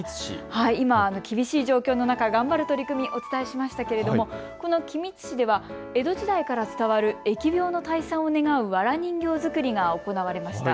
今の厳しい状況の中、頑張る取り組みお伝えしましたけれども、この君津市では江戸時代から伝わる疫病の退散を願うわら人形作りが行われました。